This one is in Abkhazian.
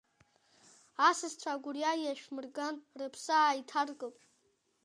Асасцәа агәырҩа иашәмырган, рыԥсы ааиҭаркып.